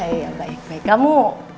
ya baik baik kamu